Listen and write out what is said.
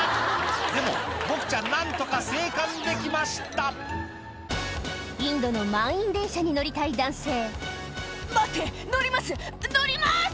でもボクちゃん何とか生還できましたインドの満員電車に乗りたい男性「待って乗ります乗ります！」